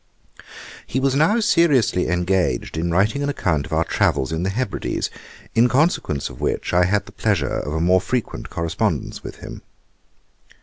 He was now seriously engaged in writing an account of our travels in the Hebrides, in consequence of which I had the pleasure of a more frequent correspondence with him.